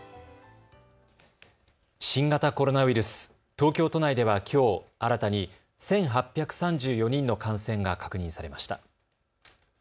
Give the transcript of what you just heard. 新型コロナウイルス、東京都内ではきょう新たに１８３４人の感染が確認されました。